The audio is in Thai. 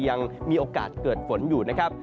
ยังมีโอกาสเกิดฝนอยู่นะครับ